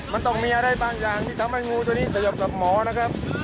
มันต้องมีอะไรบางอย่างที่ทำให้งูตัวนี้สยบกับหมอนะครับ